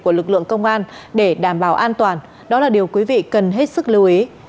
của lực lượng công an để đảm bảo an toàn đó là điều quý vị cần hết sức lưu ý